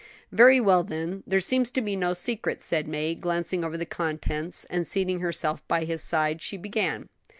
"Very well, then; there seems to be no secret," said May, glancing over the contents; and seating herself by his side she began.